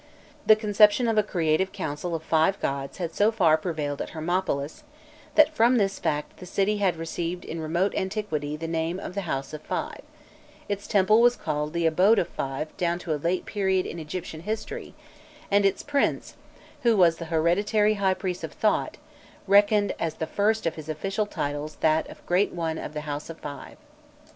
The conception of a Creative Council of five gods had so far prevailed at Hermopolis that from this fact the city had received in remote antiquity the name of the "House of the Five;" its temple was called the "Abode of the Five" down to a late period in Egyptian history, and its prince, who was the hereditary high priest of Thot, reckoned as the first of his official titles that of "Great One of the House of the Five."